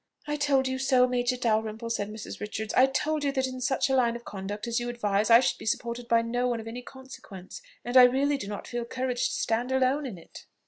"I told you so, Major Dalrymple," said Mrs. Richards; "I told you that in such a line of conduct as you advise I should be supported by no one of any consequence, and I really do not feel courage to stand alone in it."